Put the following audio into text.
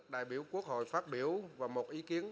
đại biểu quốc hội phát biểu và một ý kiến